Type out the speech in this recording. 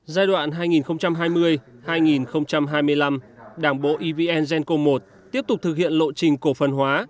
giai đoạn hai nghìn hai mươi hai nghìn hai mươi năm đảng bộ evn genco i tiếp tục thực hiện lộ trình cổ phần hóa